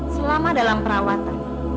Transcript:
selama dalam perawatan